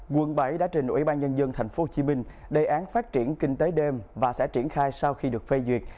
quận bảy đã trình ubnd tp hcm đề án phát triển kinh tế đêm và sẽ triển khai sau khi được phê duyệt